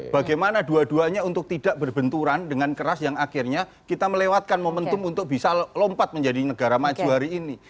bagaimana dua duanya untuk tidak berbenturan dengan keras yang akhirnya kita melewatkan momentum untuk bisa lompat menjadi negara maju hari ini